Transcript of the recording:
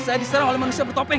saya diserang oleh manusia bertopeng